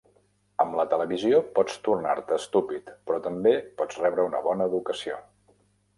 Amb la televisió pots tornar-te estúpid, però també pots rebre una bona educació.